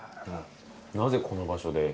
なぜこの場所で？